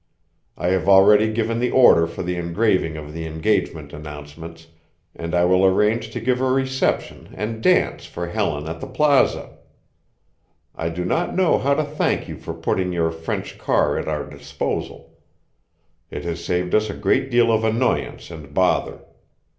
I have already given the order for the engraving of the engagement announcements, and I will arrange to give a reception and dance for Helen at the Plaza. I do not know how to thank you for putting your French car at our disposal. It has saved us a great deal of annoyance and bother.